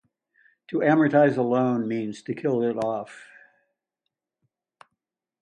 To amortize a loan means "to kill it off".